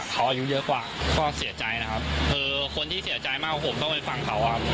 ผมมีโพสต์นึงครับว่า